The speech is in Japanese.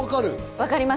分かります。